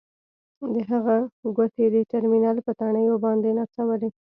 د هغه ګوتې د ټرمینل په تڼیو باندې نڅولې